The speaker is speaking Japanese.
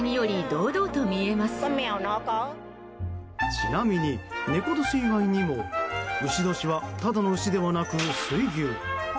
ちなみに猫年以外にも丑年はただのウシではなく水牛。